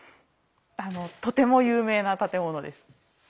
あのとても有名な建物です。